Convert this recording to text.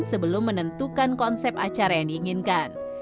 sebelum menentukan konsep acara yang diinginkan